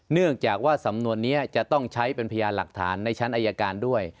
เนื่องจากว่าสำนวนนี้จะต้องใช้เป็นพยานหลักฐานในชั้นอายการด้วย